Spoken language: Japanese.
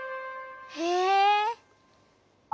へえ。